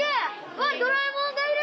わっドラえもんがいる！